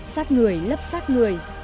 xác người lấp xác người